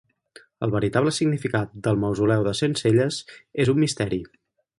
El veritable significat del mausoleu de Centcelles és un misteri.